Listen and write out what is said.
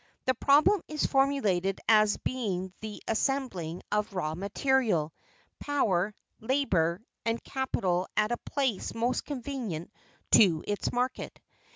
The problem is formulated as being the assembling of raw material, power, labor and capital at a place most convenient to its market.